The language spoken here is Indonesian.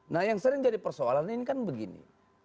nah yang sering jadi persoalan ini kan begini